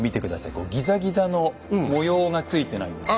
こうギザギザの模様がついてないですか？